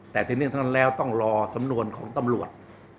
แต่ทีนี้ทั้งนั้นแล้วต้องรอสำนวนของตำรวจ